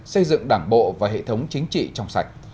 xây dựng đảng bộ và hệ thống chính trị trong sạch